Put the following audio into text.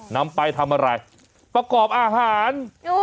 นำไปทำอะไรประกอบอาหาร